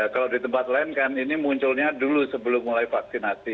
kalau di tempat lain kan ini munculnya dulu sebelum mulai vaksinasi